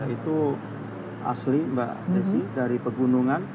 itu asli mbak desi dari pegunungan